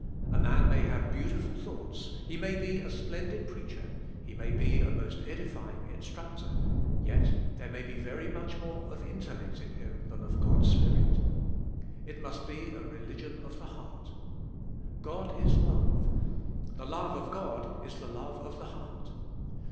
A man may have beautiful thoughts, he may be a splendid preacher, he may be a most edifying instructor, yet, there may be very much more of intellect in him than of God's Spirit. It must be a religion of the heart. God is love. The love of God is the love of the heart.